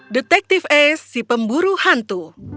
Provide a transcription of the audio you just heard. detective ace si pemburu hantu